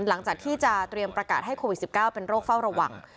หลังจากที่จะเตรียมประกาศให้โควิด๑๙เป็นโรคเฝ้าระวัง